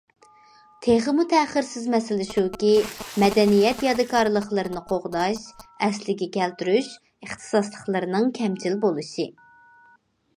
تېخىمۇ تەخىرسىز مەسىلە شۇكى، مەدەنىيەت يادىكارلىقلىرىنى قوغداش، ئەسلىگە كەلتۈرۈش ئىختىساسلىقلىرىنىڭ كەمچىل بولۇشى.